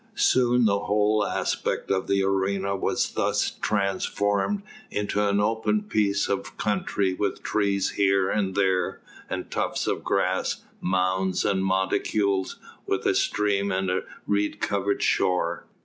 Soon the whole aspect of the arena was thus transformed into an open piece of country with trees here and there, and tufts of grass, mounds and monticules, with a stream and a reed covered shore.